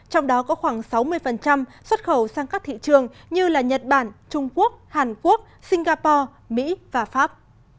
trong đó có khoảng sáu mươi xuất khẩu sang các thị trường như nhật bản trung quốc hàn quốc singapore mỹ và pháp